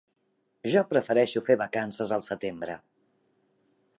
Jo prefereixo fer vacances al setembre.